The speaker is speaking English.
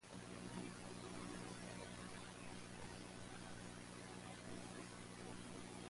When I was going to the shopping and get some oreo sticks.